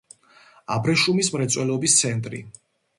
აბრეშუმის მრეწველობის ცენტრი.